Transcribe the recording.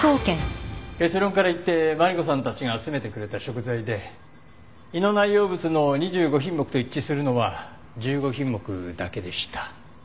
結論から言ってマリコさんたちが集めてくれた食材で胃の内容物の２５品目と一致するのは１５品目だけでした。